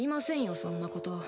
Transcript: そんなこと。